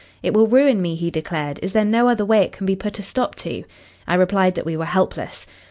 'It will ruin me,' he declared. 'Is there no other way it can be put a stop to?' I replied that we were helpless.